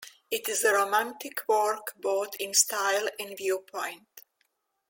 It is a romantic work, both in style and viewpoint.